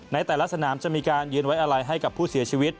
ในแต่ละสนามจะมีการยืนไว้อะไรให้กับผู้เสียชีวิต